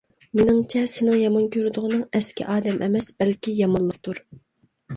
مېنىڭچە، سېنىڭ يامان كۆرىدىغىنىڭ ئەسكى ئادەم ئەمەس، بەلكى يامانلىقتۇر.